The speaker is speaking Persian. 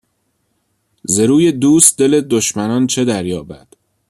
ز روی دوست دل دشمنان چه دریابد